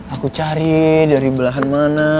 aku cari dari belahan mana